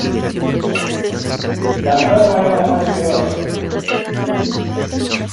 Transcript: La enferma iba de mal en peor.